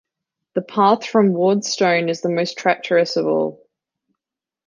The path from Ward's Stone is the most treacherous of all.